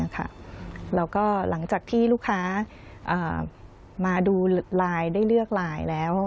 แล้วก็หลังจากที่ลูกค้ามาดูไลน์ได้เลือกไลน์แล้ว